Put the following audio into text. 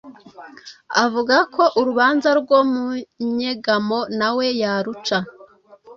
avuga ko urubanza rwo mu nyegamo nawe yaruca